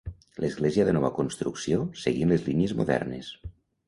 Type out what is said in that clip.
Església de nova construcció seguint les línies modernes.